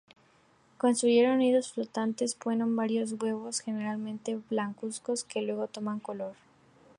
Construyen nidos flotantes, ponen varios huevos generalmente blancuzcos, que luego toman color.